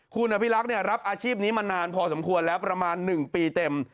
คุณอภิรักษ์รับอาชีพนี้มานานพอสมควรแล้วประมาณ๑ปีเต็ม